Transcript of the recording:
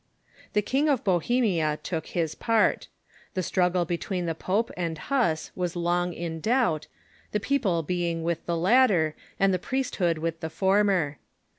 The King of Bohemia took his part. The struggle between the pope and IIuss Avas long in doubt, the people being with the latter, and the priesthood Avith the former.